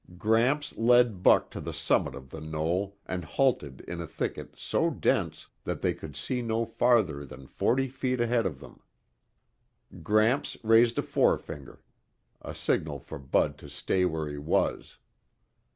Gramps led Bud to the summit of the knoll and halted in a thicket so dense that they could see no farther than forty feet ahead of them. Gramps raised a forefinger, a signal for Bud to stay where he was.